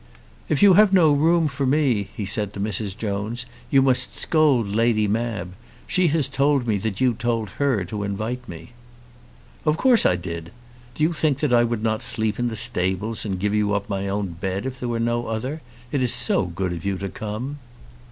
"If you have no room for me," he said to Mrs. Jones, "you must scold Lady Mab. She has told me that you told her to invite me." "Of course I did. Do you think I would not sleep in the stables, and give you up my own bed if there were no other? It is so good of you to come!"